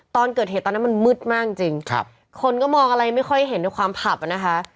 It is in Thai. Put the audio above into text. ตอนเกิดเหตุตอนนั้นมันมืดมากจริงคนก็มองอะไรไม่ค่อยเห็นในความผับอ่ะนะคะ